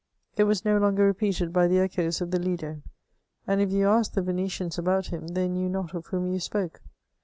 It was no longer repeated by the echoes of the Lido, and if you asked the Venetians about him, they knew not of whom yon spoke.